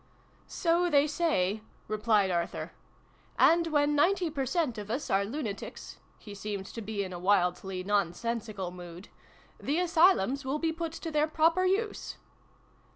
" So they say," replied Arthur. " And, when ninety per cent, of us are lunatics," (he seemed to be in a wildly nonsensical mood) " the asylums will be put to their proper use."